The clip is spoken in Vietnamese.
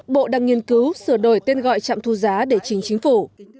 bộ đang nghiên cứu sửa đổi tên gọi trạm thu giá để chính chính phủ